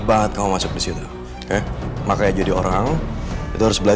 yaudah gue sama sekarang juga